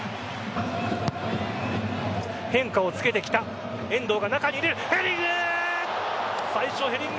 変化をつけてきた遠藤が中にいるヘディング。